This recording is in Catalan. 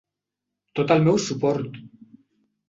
Tot el meu suport!